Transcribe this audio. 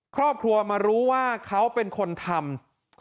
ครอบครัวมารู้ว่าเขาเป็นคนทำ